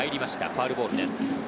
ファウルボールです。